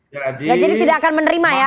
jadi tidak akan menerima ya